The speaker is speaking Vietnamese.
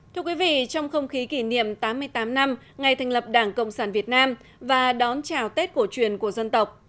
thưa quý vị trong không khí kỷ niệm tám mươi tám năm ngày thành lập đảng cộng sản việt nam và đón chào tết cổ truyền của dân tộc